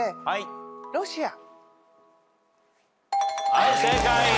はい正解。